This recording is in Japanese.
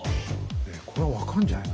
ええこれは分かるんじゃないの？